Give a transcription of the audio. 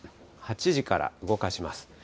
８時から動かします。